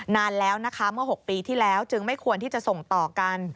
นานแล้วนะคะเมื่อ๖ปีที่แล้วจึงไม่ควรที่จะส่งต่อกัน